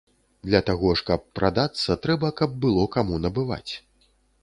Для таго ж, каб прадацца, трэба, каб было каму набываць.